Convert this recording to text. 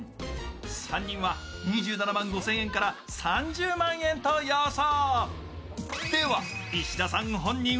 ３人は２７万５０００円から３０万円と予想。